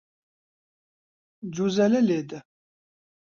جوزەلە لێدە.